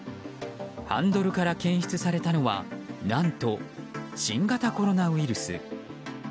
ハンドルから検出されたのは何と、新型コロナウイルス。